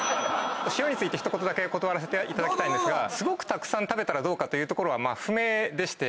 塩について一言だけ断らせていただきたいんですがすごくたくさん食べたらどうかというところは不明でして。